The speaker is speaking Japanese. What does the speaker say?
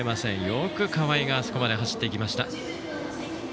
よく河合があそこまで走っていきました。